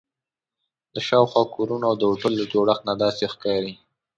له شاوخوا کورونو او د هوټل له جوړښت نه داسې ښکاري.